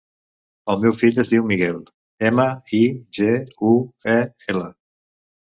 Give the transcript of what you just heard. El meu fill es diu Miguel: ema, i, ge, u, e, ela.